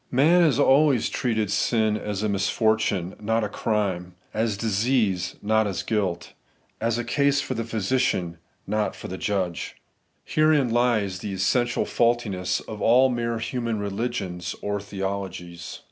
3 Man has always treated sin as a misfortune^ not a crime ; as disease^ not as guilt ; as a case for the physician, not for the judga Herein lies the essential faultiness of all mere human religions or theologies.